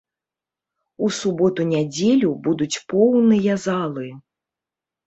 У суботу-нядзелю будуць поўныя залы.